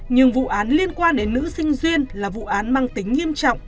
nhưng vụ án liên quan đến nữ sinh là vụ án mang tính nghiêm trọng